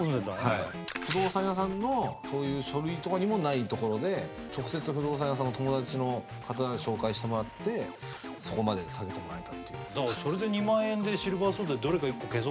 はい不動産屋さんのそういう書類とかにもないところで直接不動産屋さんの友達の方紹介してもらってそこまで下げてもらえたっていうそれで２万円でシルバーソードでどれか１個消そうかって